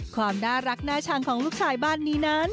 ความน่ารักน่าชังของลูกชายบ้านนี้นั้น